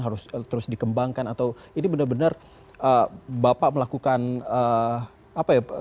harus terus dikembangkan atau ini benar benar bapak melakukan apa ya